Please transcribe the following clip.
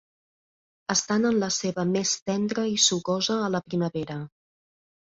Estan en la seva més tendra i sucosa a la primavera.